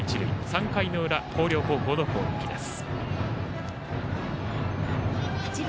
３回の裏、広陵高校の攻撃です。